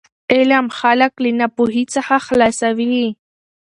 علم خلک له ناپوهي څخه خلاصوي.